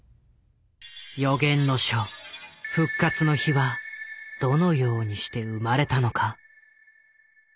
予言の書「復活の日」はどのようにして生まれたのか。